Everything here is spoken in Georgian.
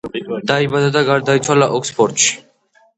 დაიბადა და გარდაიცვალა ოქსფორდში.